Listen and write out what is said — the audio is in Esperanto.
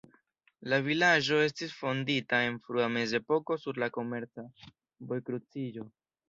La vilaĝo estis fondita en frua mezepoko sur la komerca vojkruciĝo.